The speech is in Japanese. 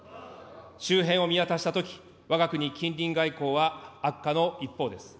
周辺を見渡したとき、わが国近隣外交は悪化の一方です。